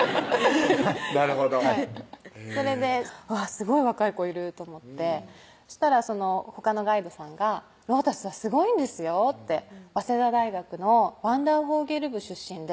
なるほどそれですごい若い子いると思ってそしたらほかのガイドさんが「ロータスはすごいんですよ」って「早稲田大学のワンダーフォーゲル部出身で」